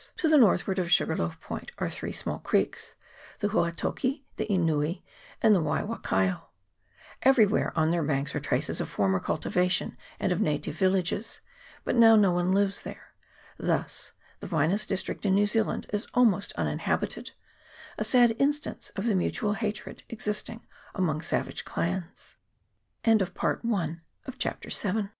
To the northward of Sugarloaf Point are three small creeks the Huatoki, the Enui, and the Wai wakaio. Everywhere on their banks are traces of former cultivation and of native villages, but now no one lives here : thus the finest district in New Zea land is almost uninhabited a sad instance of the mutual hatred existi